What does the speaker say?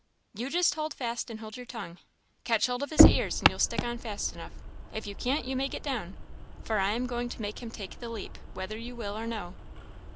"You just hold fast, and hold your tongue. Catch hold of his ears, and you'll stick on fast enough; if you can't, you may get down, for I am going to make him take the leap, whether you will or no."